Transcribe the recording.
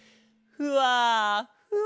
ふわふわ。